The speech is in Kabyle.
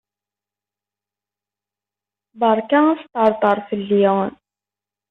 Beṛka asṭerṭer fell-i.